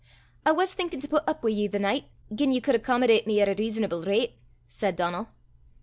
"I was thinkin' to put up wi' ye the nicht, gien ye could accommodate me at a rizzonable rate," said Donal.